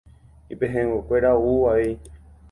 Ipehẽnguekuéra ou avei